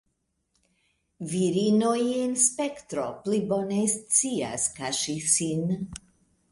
Virinoj en spektro pli bone scias kaŝi sin.